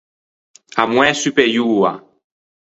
A moæ supeioa.